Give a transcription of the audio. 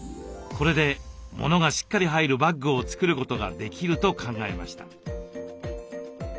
これで物がしっかり入るバッグを作ることができると考えました。